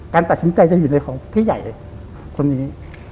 ตัดสินใจจะอยู่ในของพี่ใหญ่คนนี้